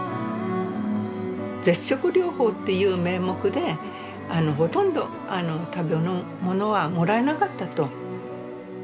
絶食療法っていう名目でほとんど食べ物はもらえなかったと。